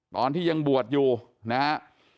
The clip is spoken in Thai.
ตอนที่ยังบวชอยู่นะฮะ